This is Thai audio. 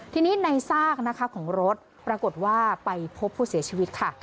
ทีนี้ในซากนะคะของรถปรากฏว่าไปพบผู้เสียชีวิตค่ะ